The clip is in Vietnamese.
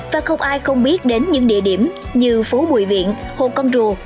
và không ai không biết đến những địa điểm như phố bùi viện hồ con rùa